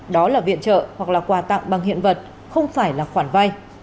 đó là viện trợ hoặc là quà tặng bằng hiện vật không phải là khoản vay